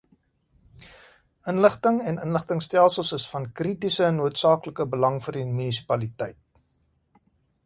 Inligting en inligtingstelsels is van kritiese en noodsaaklike belang vir die Munisipaliteit.